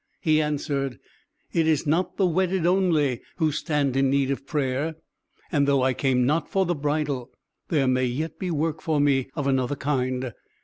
He answered, "It is not the wedded only who stand in need of prayer, and though I came not for the bridal, there may yet be work for me of another kind.